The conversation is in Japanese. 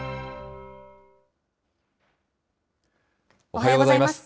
おはようございます。